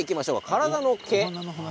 体の毛。